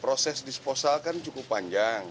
proses disposal kan cukup panjang